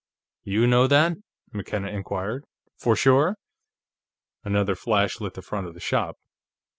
"You know that?" McKenna inquired. "For sure?" Another flash lit the front of the shop.